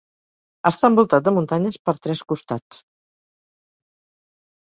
Està envoltat de muntanyes per tres costats.